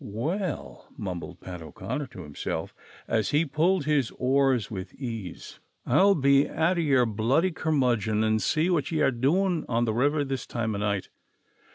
"We 11," mumbled Pat O'Conner to himself, as he pulled his oars with ease, "I'll be atter ye blooddee cur mudgon, an' see what ye air adoin' on the river this time o 'night."